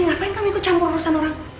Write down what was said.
ngapain kamu ikut campur urusan orang